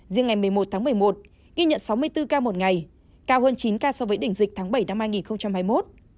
riêng ngày một mươi một tháng một mươi một ghi nhận sáu mươi bốn ca một ngày cao hơn chín ca so với đỉnh dịch tháng bảy năm hai nghìn hai mươi một